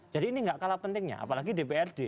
jadi ini tidak kalah pentingnya apalagi dprd